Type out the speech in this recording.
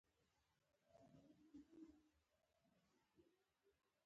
دوی د مرهټیانو له منګولو څخه وژغوري.